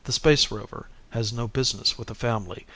_ A space rover has no business with a family.